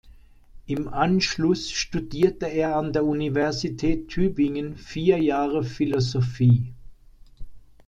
Im Anschluss studierte er an der Universität Tübingen vier Jahre Philosophie.